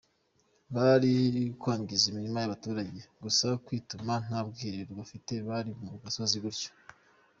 Bari kwangiza imirima y’abaturage gusa, kwituma, nta bwiherero bafite bari ku musozi gutyo.